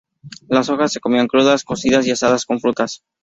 Las hojas se comían crudas, cocidas y asadas con frutas.